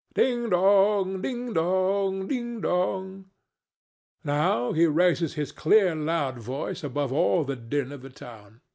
Ding dong! Ding dong! Ding dong! Now he raises his clear loud voice above all the din of the town.